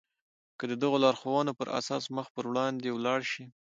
که د دغو لارښوونو پر اساس مخ پر وړاندې ولاړ شئ.